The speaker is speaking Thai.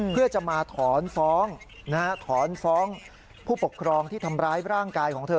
เพื่อจะมาถอนฟ้องถอนฟ้องผู้ปกครองที่ทำร้ายร่างกายของเธอ